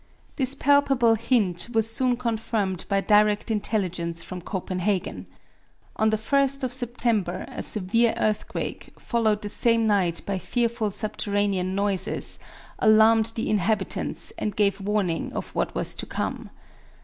This palpable hint was soon confirmed by direct intelligence from Copenhagen. On the 1st of September a severe earthquake, followed the same night by fearful subterranean noises, alarmed the inhabitants and gave warning of what was to come.